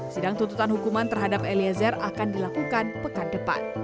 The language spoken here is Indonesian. sidang tuntutan hukuman terhadap eliezer akan dilakukan pekan depan